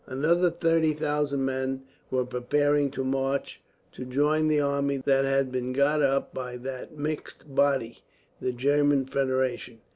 Another 30,000 men were preparing to march, to join the army that had been got up by that mixed body, the German Federation.